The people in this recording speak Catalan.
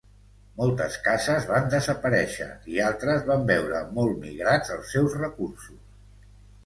Moltes cases van desaparèixer i altres van veure molt migrats els seus recursos.